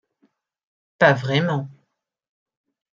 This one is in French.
Pas vraiment.